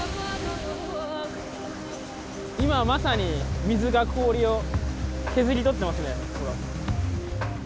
今、まさに水が氷を削り取っていますね。